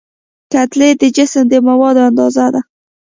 کتلې د جسم د موادو اندازه ده.